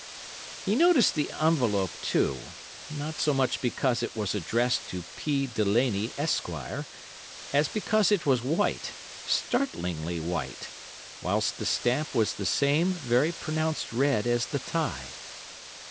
"He noticed the envelope, too, not so much because it was addressed to P. Delaney, Esq., as because it was white, startlingly white, whilst the stamp was the same very pronounced red as the tie.